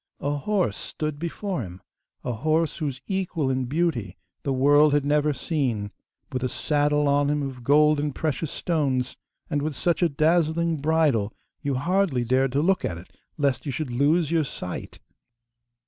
A horse stood before him a horse whose equal in beauty the world had never seen; with a saddle on him of gold and precious stones, and with such a dazzling bridle you hardly dared to look at it, lest you should lose your sight.